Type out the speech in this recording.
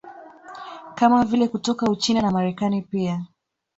Kama vile kutoka Uchina na Marekani pia